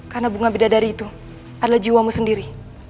karena bunga bidadari itu adalah jiwamu sendiri